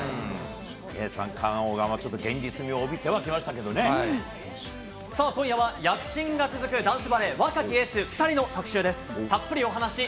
三冠王が現実味を帯びてきまさあ、今夜は躍進が続く男子バレー、若きエース２人の特集です。